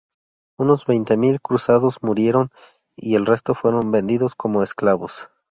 Unos veinte mil cruzados murieron, y el resto fueron vendidos como esclavos.